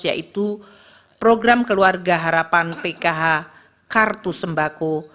yaitu program keluarga harapan pkh kartu sembako